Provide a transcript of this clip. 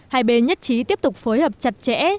hai bên nhất trí tiếp tục phối hợp chặt chẽ